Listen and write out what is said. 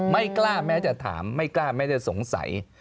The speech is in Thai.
ไม่กล้าแม้จะถามไม่กล้าไม่ได้สงสัย